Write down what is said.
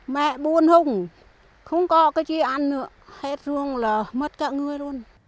mẹ buôn hùng không có cái gì ăn nữa hết ruồng là mất cả người luôn